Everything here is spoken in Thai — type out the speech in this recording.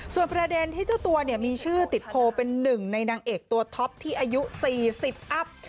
ส่วนประเด็นที่เจ้าตัวเนี่ยมีชื่อติดโพลเป็นหนึ่งในนางเอกตัวท็อปที่อายุ๔๐อัพ